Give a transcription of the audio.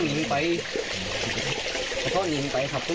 ยากมีใครอยากกล้า